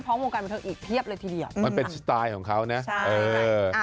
คุณผู้ชมแล้วเคยบอกเลยว่าอย่ามาดราม่องดราม่า